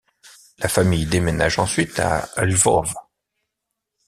La famille déménage ensuite à Lvov.